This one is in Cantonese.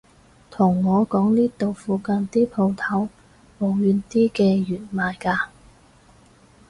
同我講呢度附近啲舖頭冇軟啲嘅弦賣㗎